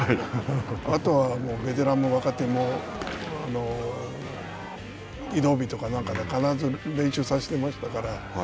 あとは、ベテランも若手も移動日とかなんかで必ず練習させてましたから。